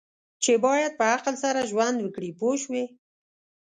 چې باید په عقل سره ژوند وکړي پوه شوې!.